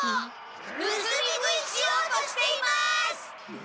ぬすみ食いしようとしています！